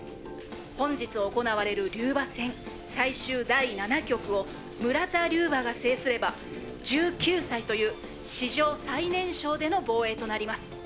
「本日行われる龍馬戦最終第七局を村田龍馬が制すれば１９歳という史上最年少での防衛となります」